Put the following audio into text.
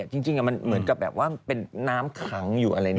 จริงมันเหมือนกับแบบว่าเป็นน้ำขังอยู่อะไรอย่างนี้